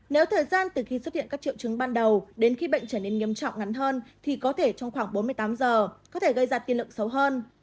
nếu thời gian từ khi xuất hiện các triệu chứng ban đầu đến khi bệnh trở nên nghiêm trọng ngắn hơn thì có thể trong khoảng bốn mươi tám giờ có thể gây ra tiên lượng xấu hơn